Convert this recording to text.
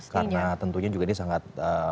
karena tentunya ini juga sangat